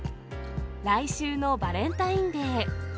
来週のバレンタインデー。